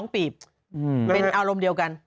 ๒ปีบเป็นอารมณ์เดียวกัน